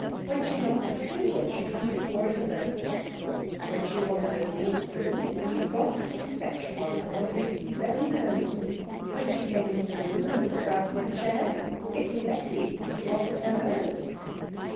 When she lost her thimble, she hunted for it alone. When she wanted a footstool, she got up and fetched one from under his very nose. When she came into the room and looked about for a chair, it was Letty who offered her hers.